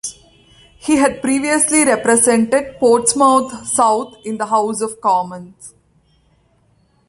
He had previously represented Portsmouth South in the House of Commons.